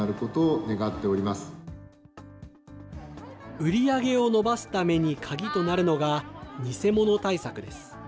売り上げを伸ばすために鍵となるのが、偽物対策です。